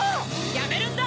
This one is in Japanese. やめるんだ！